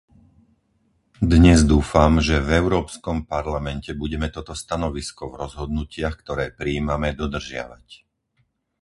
Dnes dúfam, že v Európskom parlamente budeme toto stanovisko v rozhodnutiach, ktoré prijímame, dodržiavať.